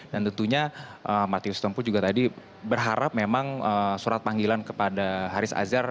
dan tentunya martinus tompu juga tadi berharap memang surat panggilan kepada haris azhar